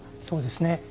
そうですね。